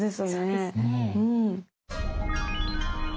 そうですね。